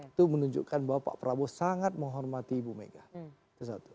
itu menunjukkan bahwa pak prabowo sangat menghormati bu megawati